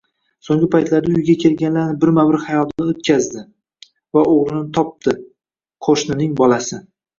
Soʻnggi paytlarda uyiga kelganlarni birma-bir xayolidan oʻtkazdi va oʻgʻrini topdiu qoʻshnining bolasi